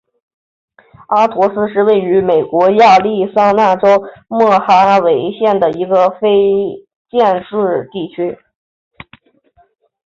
阿陀斯是位于美国亚利桑那州莫哈维县的一个非建制地区。